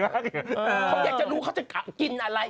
เขาอยากจะรู้เขาจะกินอะไร